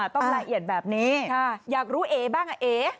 ดีค่ะอ่าต้องละเอียดแบบนี้ค่ะอยากรู้เอ๋บ้างอ่ะเอ๋